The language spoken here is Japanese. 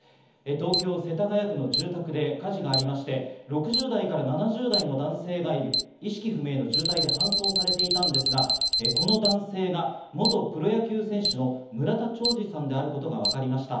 東京・世田谷区の住宅で火事がありまして、６０代から７０代の男性が意識不明の重体で搬送されていたんですが、この男性が元プロ野球選手の村田兆治さんであることがわかりました。